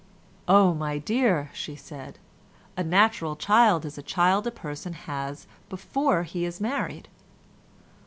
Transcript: "Oh, my dear," said she, "a natural child is a child a person has before he is married."